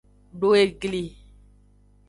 Do egli.